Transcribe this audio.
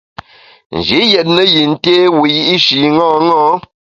Nji yètne yin té wiyi’shi ṅaṅâ.